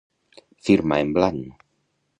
Firma en blanc.